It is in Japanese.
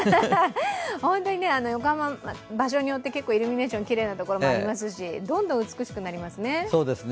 本当に横浜、場所によってイルミネーションきれいなところもありますしどんどん美しくなりますね。